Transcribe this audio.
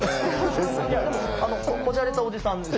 いやでもこじゃれたおじさんです。